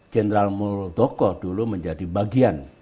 jenderal muldoko dulu menjadi bagian